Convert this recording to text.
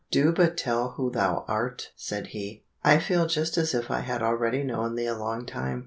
"Do but tell who thou art," said he, "I feel just as if I had already known thee a long time."